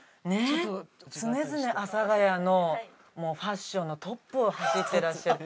常々阿佐ヶ谷のファッションのトップを走ってらっしゃる。